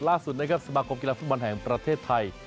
ล่าสุดนะครับสมาคมกีฬาฟุตบอลแห่งประเทศไทย